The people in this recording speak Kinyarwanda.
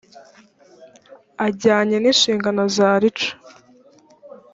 ajyanye n inshingano za rica